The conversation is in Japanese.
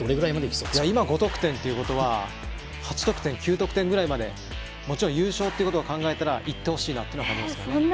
今５得点というのは８得点、９得点というところまでもちろん優勝ということを考えたら行ってほしいなと。